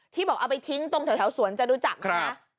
ที่บอกเอาไปทิ้งตรงแถวสวนจะรู้จักครับ